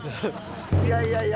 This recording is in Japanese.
いやいやいや。